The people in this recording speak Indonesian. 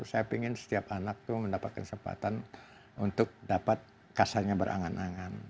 saya ingin setiap anak itu mendapatkan kesempatan untuk dapat kasarnya berangan angan